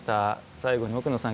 最後に奥野さん